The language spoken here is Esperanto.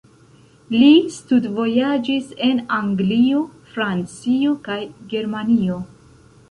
Li studvojaĝis en Anglio, Francio kaj Germanio.